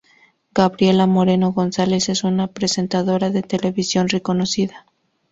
Gabriela Moreno González es una presentadora de televisión reconocida.